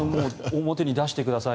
表に出してください